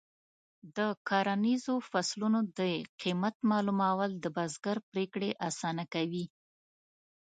د کرنیزو فصلونو د قیمت معلومول د بزګر پریکړې اسانه کوي.